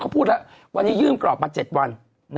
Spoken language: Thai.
พูดละวันนี้ยื่มกรอบมา๗วัน